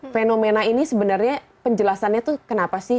fenomena ini sebenarnya penjelasannya tuh kenapa sih